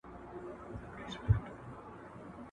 ¬ د دوبي کور په اختر معلومېږي.